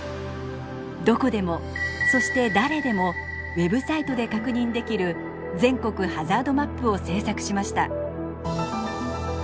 どこでもそして誰でもウェブサイトで確認できる全国ハザードマップを制作しました。